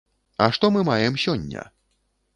А што мы маем сёння?